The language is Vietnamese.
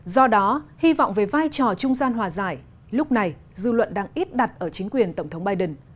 do đó hy vọng về vai trò trung gian hòa giải lúc này dư luận đang ít đặt ở chính quyền tổng thống biden